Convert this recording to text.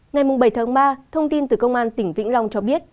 ngày bảy tháng ba thông tin từ công an tỉnh vĩnh long cho biết